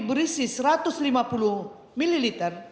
berisi satu ratus lima puluh ml